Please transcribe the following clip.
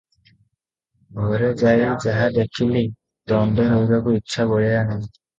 ଘରେ ଯାଇ ଯାହା ଦେଖିଲି, ଦଣ୍ଡେ ରହିବାକୁ ଇଚ୍ଛା ବଳିଲା ନାହିଁ ।